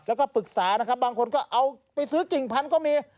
แล้วก็ปรึกษานะครับบางคนก็เอาไปซื้อกิ่งพันธุ์ก็มี